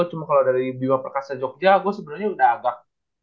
cuma kalau dari bima perkasa jogja gue sebenarnya udah agak